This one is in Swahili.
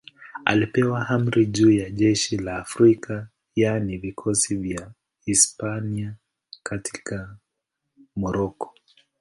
Alipewa amri juu ya jeshi la Afrika, yaani vikosi vya Hispania katika Moroko.